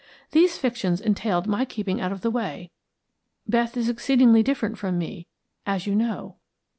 These fictions entailed my keeping out of the way. Beth is exceedingly different from me, as you know."